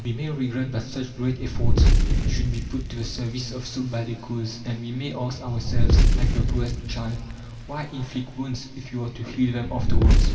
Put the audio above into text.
We may regret that such great efforts should be put to the service of so bad a cause, and we may ask ourselves like the poet's child: "Why inflict wounds if you are to heal them afterwards?"